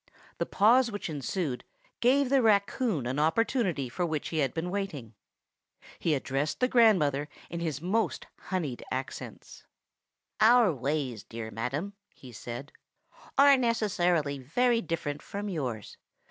The pause which ensued gave the raccoon an opportunity for which he had been waiting. He addressed the grandmother in his most honeyed accents:— "Our ways, dear madam," he said, "are necessarily very different from yours.